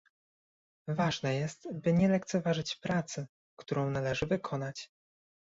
Ważne jest, by nie lekceważyć pracy, którą należy wykonać